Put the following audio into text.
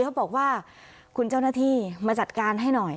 เขาบอกว่าคุณเจ้าหน้าที่มาจัดการให้หน่อย